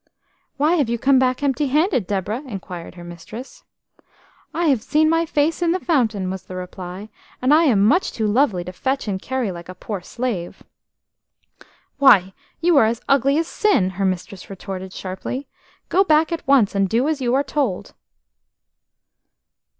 "Why have you come back empty handed, Deborah?" inquired her mistress. HAVE seen my face in the fountain," was the reply, "and I am much too lovely to fetch and carry like a poor slave." "Why, you are as ugly as sin!" her mistress retorted sharply. "Go back at once, and do as you are told."